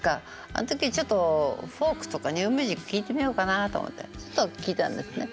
あの時ちょっとフォークとかニューミュージック聴いてみようかなと思ってちょっと聴いたんですね。